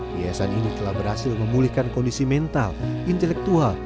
biaya san ini telah berhasil memulihkan kondisi mental intelektual